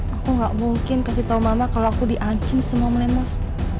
aku gak mungkin kasih tau mama kalau aku diancim sama om lemos